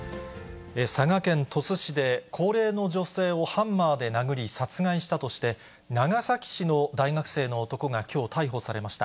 佐賀県鳥栖市で高齢の女性をハンマーで殴り、殺害したとして、長崎市の大学生の男がきょう、逮捕されました。